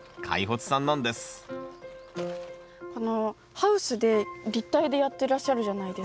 ハウスで立体でやってらっしゃるじゃないですか。